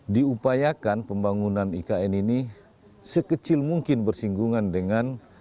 diupayakan pembangunan ikn ini sekecil mungkin bersinggungan dengan